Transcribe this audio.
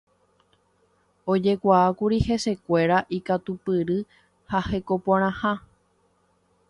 Ojekuaákuri hesekuéra ikatupyry ha hekoporãha.